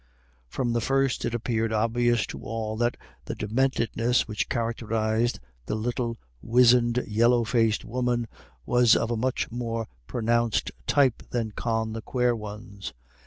From the first it appeared obvious to all that the dementedness which characterised the little wizened yellow faced woman was of a much more pronounced type than Con the Quare One's.